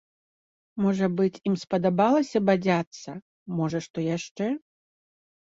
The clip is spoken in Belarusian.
Можа быць, ім спадабалася бадзяцца, можа, што яшчэ?